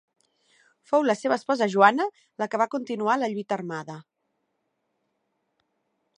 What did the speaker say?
Fou la seva esposa Joana la que va continuar la lluita armada.